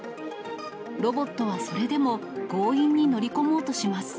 ロボットはそれでも強引に乗り込もうとします。